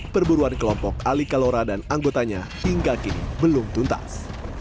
perburuan kelompok ali kalora dan anggotanya hingga kini belum tuntas